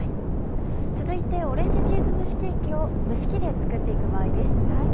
続いてオレンジチーズ蒸しケーキを蒸し器で作って行く場合です。